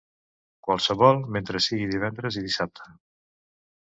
Qualsevol, mentre sigui divendres i dissabte.